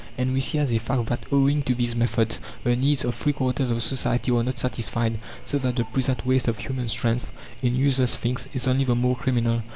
And we see as a fact that owing to these methods the needs of three quarters of society are not satisfied, so that the present waste of human strength in useless things is only the more criminal.